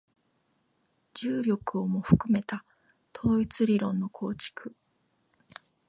重力をも含めた統一理論の構築